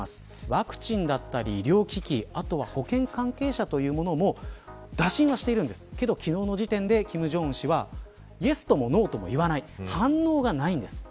ワクチンだったり医療機器保健関係者というものも打診はしているんですが昨日の時点で金正恩氏はイエスともノーとも言わない反応がないんです。